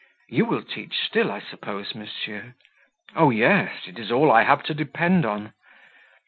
You will teach still, I suppose, monsieur?" "Oh, yes! It is all I have to depend on."